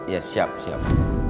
iya siap siap